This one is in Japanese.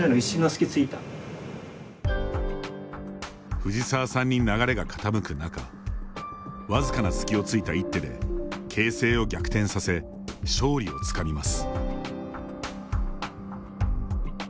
藤沢さんに流れが傾く中わずかな隙をついた一手で形勢を逆転させ勝利をつかみます。